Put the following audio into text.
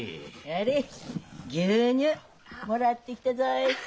ほれ牛乳もらってきたぞい。